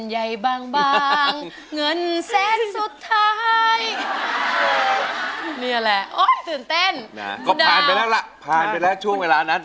ก็ผ่านไปแล้วล่ะผ่านไปแล้วช่วงเวลานั้น